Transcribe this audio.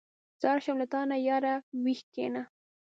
ځار شم له تانه ياره ویښ کېنه.